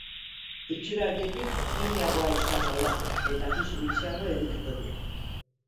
Itxura aldetik, finagoa izango da eta pisu gutxiago edukiko du.